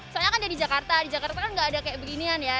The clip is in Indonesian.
soalnya kan dia di jakarta di jakarta kan nggak ada kayak beginian ya